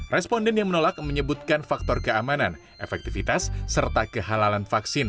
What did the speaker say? responden yang menolak menyebutkan faktor keamanan efektivitas serta kehalalan vaksin